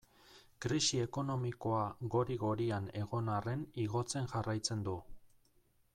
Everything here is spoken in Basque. Krisi ekonomikoa gori-gorian egon arren igotzen jarraitzen du.